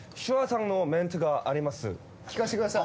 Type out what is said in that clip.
聞かせてください。